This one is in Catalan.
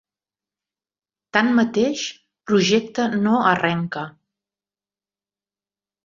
Tanmateix, projecte no arrenca.